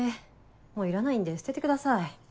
もういらないんで捨ててください。